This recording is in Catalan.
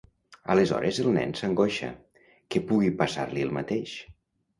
Aleshores el nen s'angoixa que pugui passar-li el mateix.